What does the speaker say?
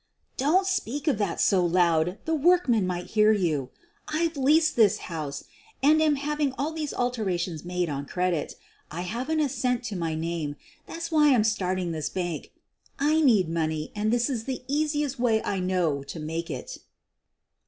"Don't speak of that so loud — the workmen might hear you. I 've leased this house and 94 SOPHIE LYONS I'm having all these alterations made on credit. I haven't a cent to my name — that's why I'm start ing this bank. I need money and this is the easiest way I know to make it.